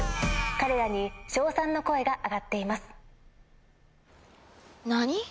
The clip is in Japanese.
「彼らに称賛の声が上がっています」何！？